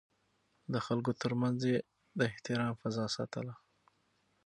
د خلکو ترمنځ يې د احترام فضا ساتله.